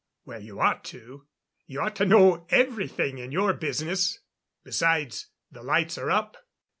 "Well, you ought to. You ought to know everything in your business. Besides, the lights are up."